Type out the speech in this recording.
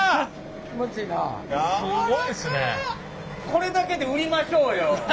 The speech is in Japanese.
これだけで売りましょうよ。